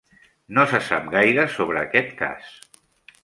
No se sap gaire sobre aquest cas.